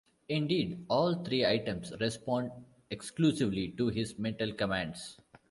Indeed, "all" three items respond, exclusively, to his mental commands.